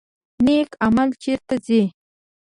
نیک عمل چیرته ځي؟